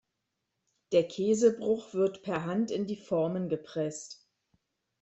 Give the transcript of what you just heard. Der Käsebruch wird per Hand in die Formen gepresst.